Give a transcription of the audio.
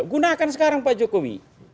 menggunakan sekarang pak jokowi